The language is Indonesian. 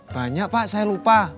banyak pak saya lupa